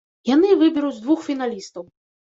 Яны выберуць двух фіналістаў.